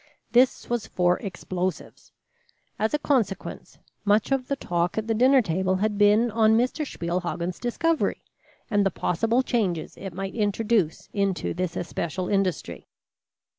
This was for explosives. As a consequence, much of the talk at the dinner table had been on Mr. Spielhagen's discovery, and the possible changes it might introduce into this especial industry.